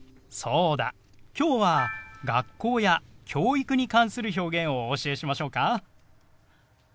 そうだ今日は学校や教育に関する表現をお教えしましょうか？